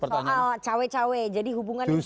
soal cowek cowek jadi hubungan sekarang ini